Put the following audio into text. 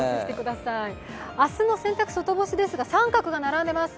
明日の洗濯外干しですが△が並んでます。